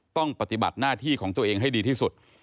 ต้องปฏิบัติหน้าที่ของตัวเองให้ดีที่สุด